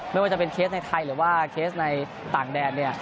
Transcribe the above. ไม่ว่าจะเป็นเคสในไทยหรือว่าเคสในต่างแดนเนี่ย